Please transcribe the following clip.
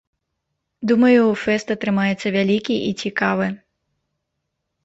Думаю фэст атрымаецца вялікі і цікавы.